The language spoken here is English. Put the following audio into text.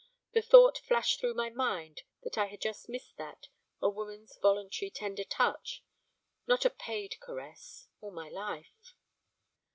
The thought flashed through my mind that I had just missed that, a woman's voluntary tender touch, not a paid caress, all my life.